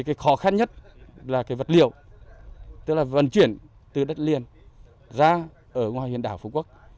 cái khó khăn nhất là vật liệu tức là vận chuyển từ đất liền ra ngoài huyền đảo phú quốc